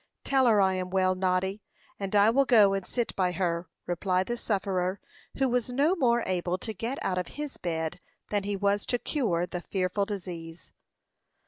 "Tell her I am well, Noddy; and I will go and sit by her," replied the sufferer, who was no more able to get out of his bed than he was to cure the fearful disease.